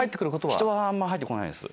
人はあんま入って来ないです。